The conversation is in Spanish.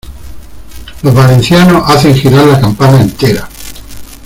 Los valencianos hacen girar la campana entera.